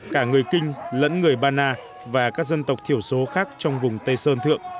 cả người kinh lẫn người ba na và các dân tộc thiểu số khác trong vùng tây sơn thượng